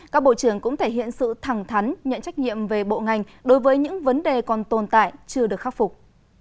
các bộ trưởng cũng thể hiện sự thẳng thắn nhận trách nhiệm về bộ ngành đối với những vấn đề còn tồn tại chưa được khắc phục